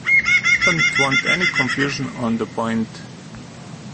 I didn't want any confusion on the point.